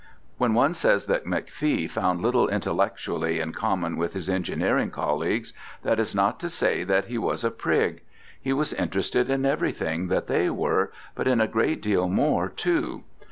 When one says that McFee found little intellectually in common with his engineering colleagues, that is not to say that he was a prig. He was interested in everything that they were, but in a great deal more, too.